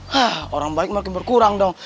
hah orang baik makin berkurang dong